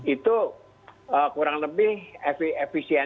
itu kurang lebih efisien